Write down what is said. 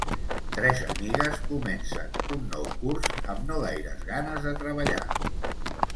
Tres amigues comencen un nou curs amb no gaires ganes de treballar.